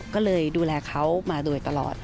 ก็เลยดูแลเขามาโดยตลอด